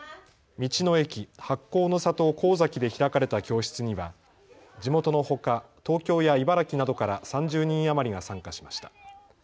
道の駅、発酵の里こうざきで開かれた教室には地元のほか東京や茨城などから３０人余りが参加しました。